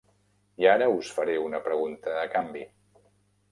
I ara us faré una pregunta a canvi.